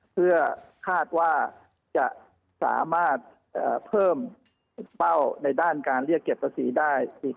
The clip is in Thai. เพื่อคาดว่าจะสามารถเพิ่มเป้าในด้านการเรียกเก็บภาษีได้